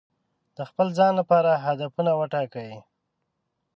د خپل ځان لپاره هدفونه وټاکئ.